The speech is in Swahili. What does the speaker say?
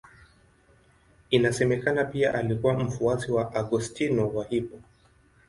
Inasemekana pia alikuwa mfuasi wa Augustino wa Hippo.